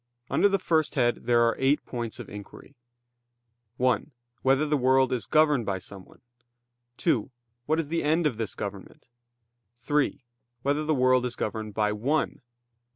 Under the first head there are eight points of inquiry: (1) Whether the world is governed by someone? (2) What is the end of this government? (3) Whether the world is governed by one?